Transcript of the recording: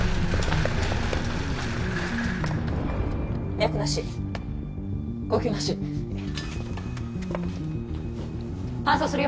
脈なし呼吸なし搬送するよ